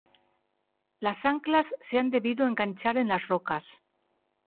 las anclas se han debido enganchar en las rocas.